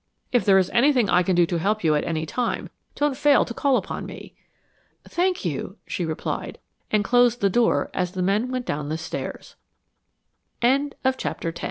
"If there is anything I can do to help you at any time, don't fail to call upon me." "Thank you," she replied, and closed the door as the men went down the stairs. CHAPTER XI THE TRAIL